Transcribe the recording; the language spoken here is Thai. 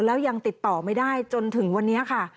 แล้วยังติดต่อไม่ได้จนถึงวันนี้ค่ะ